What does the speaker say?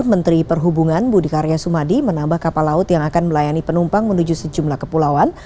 menteri perhubungan budi karya sumadi menambah kapal laut yang akan melayani penumpang menuju sejumlah kepulauan